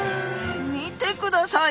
見てください！